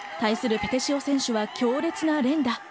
ペテシオ選手は強烈な連打。